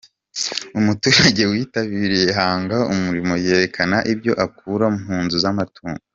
Umuturage witabiriye Hanga Umurimo yerekana ibyo akura mu mpu z’amatungo.